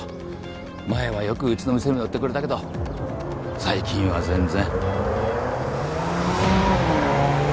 前はよくうちの店にも寄ってくれたけど最近は全然。